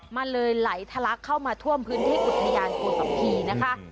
มันเลยไหลทะลักเข้ามาท่วมพื้นที่อุทยานภูสัมภีร์นะคะ